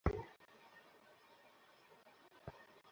কোথাও থামবে না, সরাসরি চলে এসো।